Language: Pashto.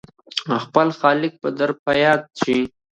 خپل خالق به در په ياد شي !